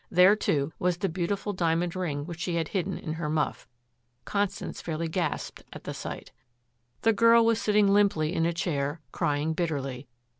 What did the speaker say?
There, too, was the beautiful diamond ring which she had hidden in her muff. Constance fairly gasped at the sight. The girl was sitting limply in a chair crying bitterly.